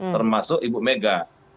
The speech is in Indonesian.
termasuk ibu mega